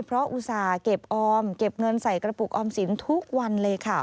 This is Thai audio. เพราะอุตส่าห์เก็บออมเก็บเงินใส่กระปุกออมสินทุกวันเลยค่ะ